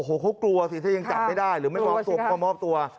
โอ้โหเขากลัวสิถ้ายังจับไม่ได้หรือไม่มอบตัวมามอบตัว